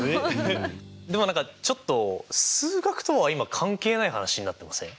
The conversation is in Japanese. でも何かちょっと数学とは今関係ない話になってません？